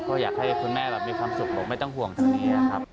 ก็อยากให้คุณแม่แบบมีความสุขบอกไม่ต้องห่วงตรงนี้ครับ